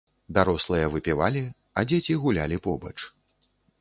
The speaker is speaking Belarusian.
Дарослыя выпівалі, а дзеці гулялі побач.